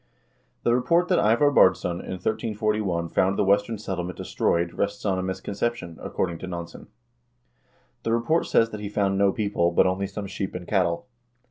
The report that Ivar Baardsson in 1341 found the Western Settlement destroyed rests on a misconception, according to Nansen. The report says that he found no people, but only some sheep and cattle.